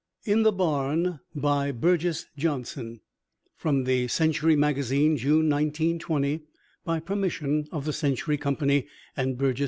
IN THE BARN BY BURGES JOHNSON From the Century Magazine, June, 1920. By permission of the Century Company and Burges Johnson.